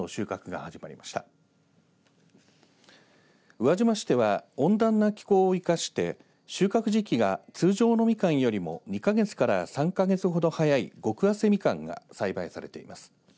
宇和島市では温暖な気候を生かして収穫時期が通常のみかんよりも２か月から３か月ほど早い極早生みかんが栽培されています。